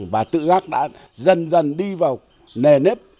và tự giác đã dần dần đi vào nề nếp